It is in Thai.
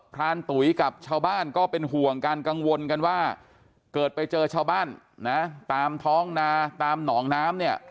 รานตุ๋ยกับชาวบ้านก็เป็นห่วงกันกังวลกันว่าเกิดไปเจอชาวบ้านนะตามท้องนาตามหนองน้ำเนี่ย